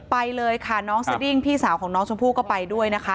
ไปเลยค่ะน้องสดิ้งพี่สาวของน้องชมพู่ก็ไปด้วยนะคะ